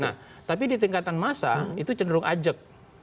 nah tapi di tingkatan massa itu cenderung ajak